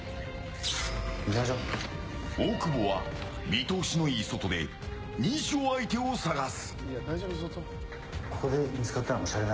大久保は見通しの良い外で認証相手を探す。